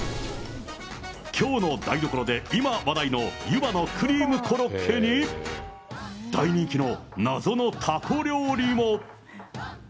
京の台所で今話題の、湯葉のクリームコロッケに、大人気の謎のたこ料理も。